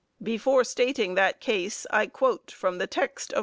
Before stating that case I quote from the text of G.